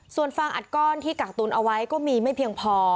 ส่วนฟางอัดก้อนที่กักตุนเอาไว้ก็มีไม่เพียงพอ